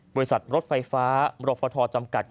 บริษัทรถไฟฟ้ามรฟทจำกัด